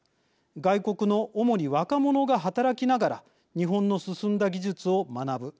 外国の主に若者が働きながら日本の進んだ技術を学ぶ。